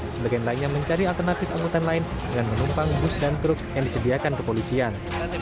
sebagian lainnya mencari alternatif angkutan lain dengan menumpang bus dan truk yang disediakan kepolisian